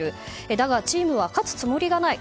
だが、チームは勝つつもりがない。